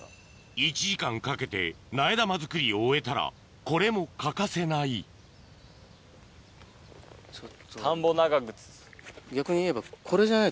１時間かけて苗玉作りを終えたらこれも欠かせない逆にいえば。